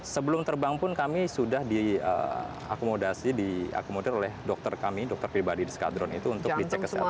sebelum terbang pun kami sudah diakomodasi diakomodir oleh dokter kami dokter pribadi di skadron itu untuk dicek kesehatan